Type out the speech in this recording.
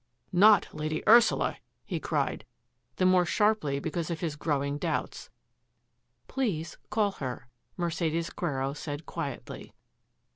" Not Lady Ursula !" he cried, the more sharply because of his growing doubts. " Please call her," Mercedes Quero said quietly.